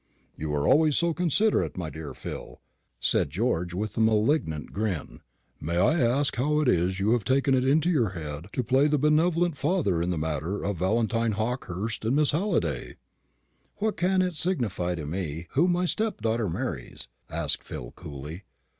"You are always so considerate, my dear Phil," said George, with a malignant grin. "May I ask how it is you have taken it into your head to play the benevolent father in the matter of Valentine Hawkehurst and Miss Halliday?" "What can it signify to me whom my stepdaughter marries?" asked Philip, coolly.